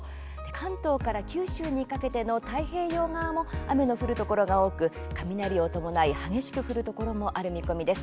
関東から九州にかけての太平洋側も雨の降るところが多く雷を伴い激しく降るところもある見込みです。